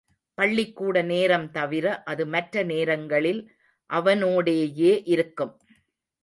பள்ளிக்கூட நேரம் தவிர, அது மற்ற நேரங்களில் அவனோடேயே இருக்கும்.